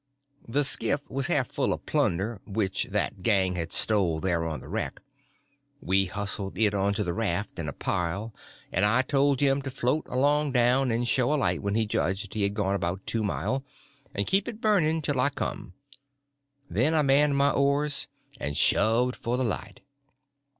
The skiff was half full of plunder which that gang had stole there on the wreck. We hustled it on to the raft in a pile, and I told Jim to float along down, and show a light when he judged he had gone about two mile, and keep it burning till I come; then I manned my oars and shoved for the light.